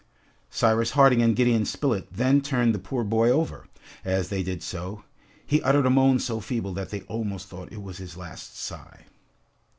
Cyrus Harding and Gideon Spilett then turned the poor boy over; as they did so, he uttered a moan so feeble that they almost thought it was his last sigh.